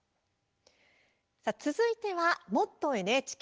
続いては「もっとＮＨＫ」。